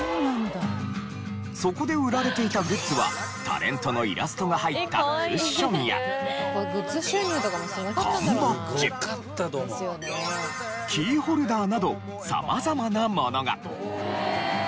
そこで売られていたグッズはタレントのイラストが入ったクッションや缶バッチキーホルダーなど様々なものが。